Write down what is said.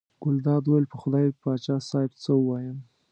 ګلداد وویل: په خدای پاچا صاحب څه ووایم.